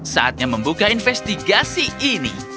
saatnya membuka investigasi ini